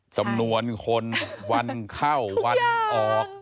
จำนวนคนวันเข้าวันออก